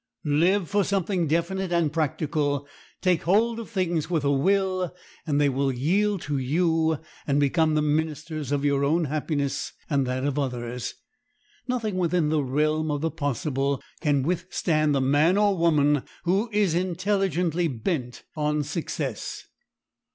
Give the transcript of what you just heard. Live for something definite and practical; take hold of things with a will, and they will yield to you and become the ministers of your own happiness and that of others. Nothing within the realm of the possible can withstand the man or woman who is intelligently bent on success.